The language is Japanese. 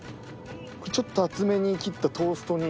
これちょっと厚めに切ったトーストに。